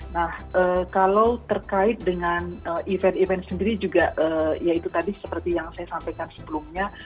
nah kalau terkait dengan event event sendiri juga ya itu tadi seperti yang saya sampaikan sebelumnya